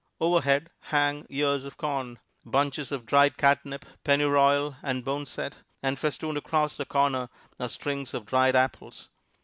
Overhead hang ears of corn, bunches of dried catnip, pennyroyal and boneset, and festooned across the corner are strings of dried apples.